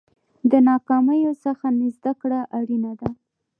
د ناکامیو څخه زده کړه اړینه ده.